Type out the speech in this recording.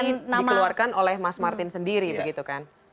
ini dikeluarkan oleh mas martin sendiri begitu kan